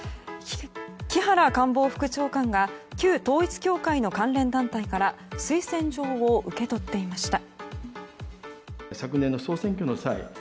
木原官房副長官が旧統一教会の関連団体から推薦状を受け取っていました。